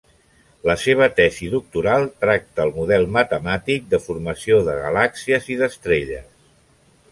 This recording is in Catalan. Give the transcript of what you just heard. La seva tesi doctoral tracta el model matemàtic de formació de galàxies i d'estrelles.